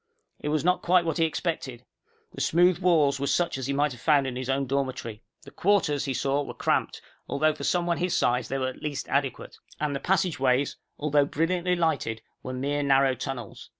It was not quite what he expected. The smooth walls were such as he might have found in his own dormitory. The quarters, he saw, were cramped, although for someone his size they were at least adequate. And the passageways, although brilliantly lighted, were mere narrow tunnels.